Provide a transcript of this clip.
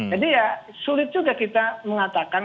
jadi ya sulit juga kita mengatakan